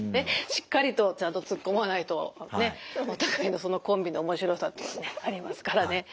しっかりとちゃんとつっこまないとねお互いのそのコンビの面白さっていうのもねありますからね。